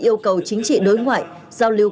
yêu cầu chính trị đối ngoại giao lưu